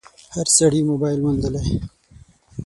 هر سړي موبایل موندلی